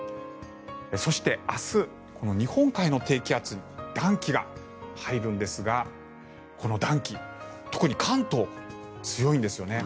そして明日、日本海の低気圧暖気が入るんですがこの暖気、特に関東強いんですよね。